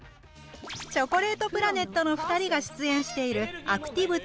チョコレートプラネットの２人が出演している「アクティブ１０